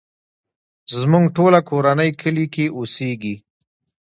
زموږ ټوله کورنۍ کلی کې اوسيږې.